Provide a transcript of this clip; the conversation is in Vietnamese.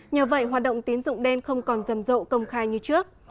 nhờ vậy hoạt động tín dụng đen không còn rầm rộ công khai như trước